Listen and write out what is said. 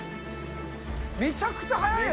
めちゃくちゃ速いよ。